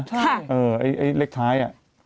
ใช่ใอเล็กช้าย